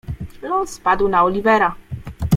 "Los padł na Oliwera."